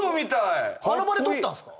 あの場で撮ったんすか？